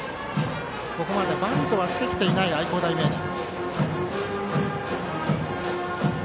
ここまでバントはしてきていない愛工大名電。